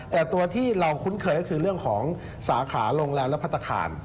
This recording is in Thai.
แต่ตัวที่เราคุ้นเคยก็คือเรื่องของสาขาโรงแรมและพัฒนาคาร